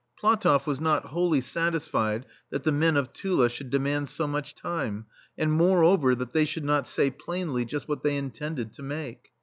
PlatofF was not wholly satisfied that the men of Tula should demand so much time, and moreover, that they should not say plainly just what they intended to make.